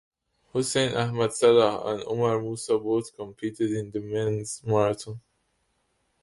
Hussein Ahmed Salah and Omar Moussa both competed in the men's marathon.